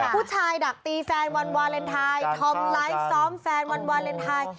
ผู้ชายดักตีแฟนวันวาเลนไทยทอมไลฟ์ซ้อมแฟนวันวาเลนไทย